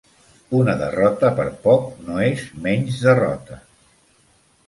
Una derrota per poc no és menys derrota.